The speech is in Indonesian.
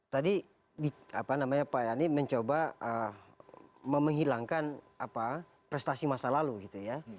tadi apa namanya pak yani mencoba menghilangkan prestasi masa lalu gitu ya